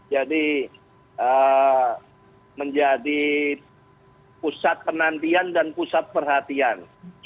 jadi menjadi pusat penantian dan pusat perhatian